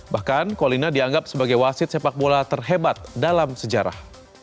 bahkan colina dianggap sebagai wasit sepak bola terhebat dalam sejarah